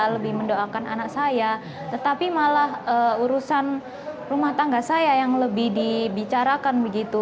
lebih mendoakan anak saya tetapi malah urusan rumah tangga saya yang lebih dibicarakan begitu